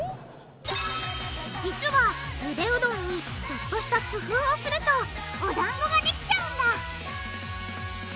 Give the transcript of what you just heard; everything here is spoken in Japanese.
実はゆでうどんにちょっとした工夫をするとおだんごができちゃうんだ！